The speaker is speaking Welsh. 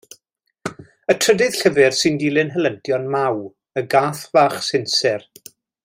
Y trydydd llyfr sy'n dilyn helyntion Maw, y gath fach sinsir.